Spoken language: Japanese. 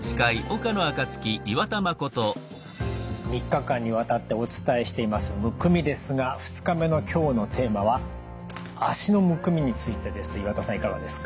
３日間にわたってお伝えしています「むくみ」ですが２日目の今日のテーマは脚のむくみについてです。